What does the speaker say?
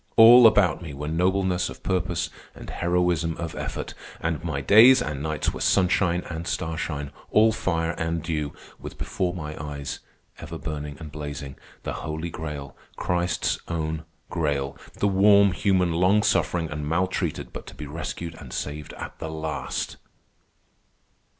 All about me were nobleness of purpose and heroism of effort, and my days and nights were sunshine and starshine, all fire and dew, with before my eyes, ever burning and blazing, the Holy Grail, Christ's own Grail, the warm human, long suffering and maltreated but to be rescued and saved at the last."